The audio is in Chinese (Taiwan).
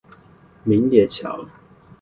明野橋